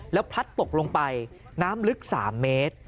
แล้วพลัดตกลงไปน้ำลึก๓เมตร